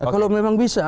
kalau memang bisa